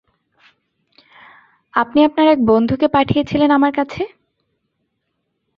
আপনি আপনার এক বন্ধুকে পাঠিয়েছিলেন আমার কাছে।